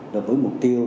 đối với mục tiêu